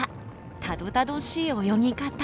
たどたどしい泳ぎ方。